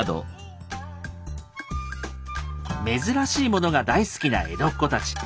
珍しいものが大好きな江戸っ子たち。